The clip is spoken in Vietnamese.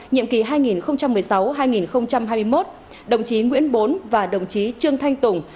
nhiệm kỳ hai nghìn một mươi sáu hai nghìn hai mươi một đồng chí nguyễn bốn và đồng chí trương thanh tùng